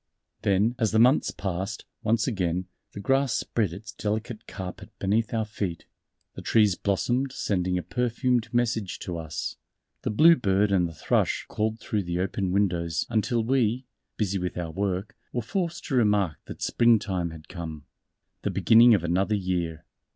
Then as the months passed, once again, the grass spread its delicate carpet beneath our feet, the trees blossomed sending a perfumed message to us, the bluebird and the thrush called through the open windows until we, busy with our work, were forced to remark that Spring time had come the beginning of another year....